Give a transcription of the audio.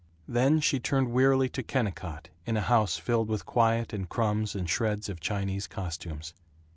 Then she turned wearily to Kennicott in a house filled with quiet and crumbs and shreds of Chinese costumes.